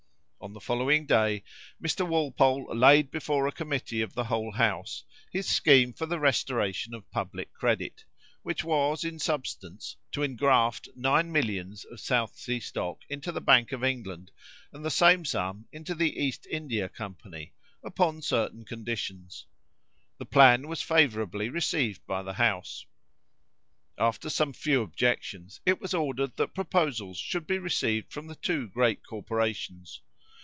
On the following day, Mr. Walpole laid before a committee of the whole house his scheme for the restoration of public credit, which was, in substance, to engraft nine millions of South Sea stock into the Bank of England, and the same sum into the East India company, upon certain conditions. The plan was favourably received by the house. After some few objections, it was ordered that proposals should be received from the two great corporations.